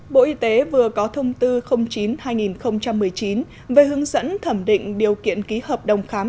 bộ y tế vừa có thông tư chín hai nghìn một mươi chín về hướng dẫn thẩm định điều kiện ký hợp đồng khám